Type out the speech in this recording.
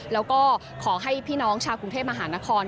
แล้วก็ขอให้พี่น้องชาวกรุงเทพมหานคร